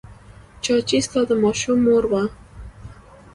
چا چې ستا د ماشوم مور وه.